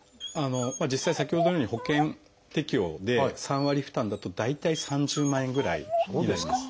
実際先ほどのように保険適用で３割負担だと大体３０万円ぐらいになります。